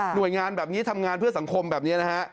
หน่วยงานแบบนี้ทำงานเพื่อสังคมแบบนี้นะฮะ